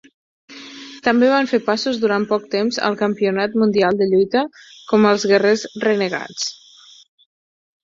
També van fer passos durant poc temps al Campionat Mundial de Lluita com a "Els Guerrers Renegats".